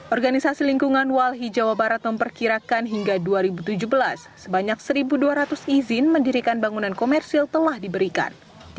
organisasi lingkungan walhi jawa barat memperkirakan hingga dua ribu tujuh belas sebanyak satu dua ratus izin mendirikan bangunan komersil telah diberikan